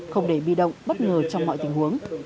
không để bị động bất ngờ trong mọi tình huống